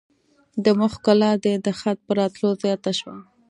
د مخ ښکلا دي د خط په راتلو زیاته شوه.